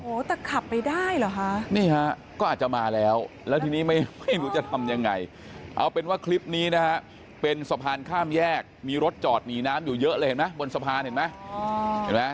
โอ้โหแต่ขับไปได้หรอฮะนี่ฮะก็อาจจะมาแล้ว